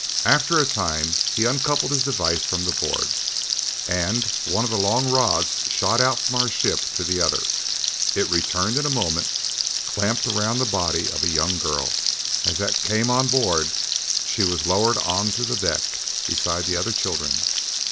After a time he uncoupled his device from the board, and one of the long rods shot out from our ship to the other. It returned in a moment clamped around the body of a young girl. As the came on board, she was lowered onto the deck beside the other children.